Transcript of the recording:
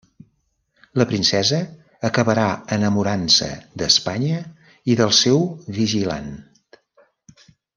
La princesa acabarà enamorant-se d'Espanya i del seu vigilant.